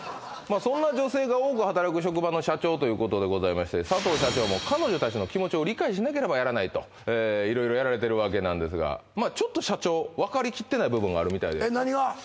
まあそんな女性が多く働く職場の社長ということでございまして佐藤社長も彼女たちの気持ちを理解しなければならないといろいろやられてるわけなんですがまあちょっと社長分かりきってない部分があるみたいで何が？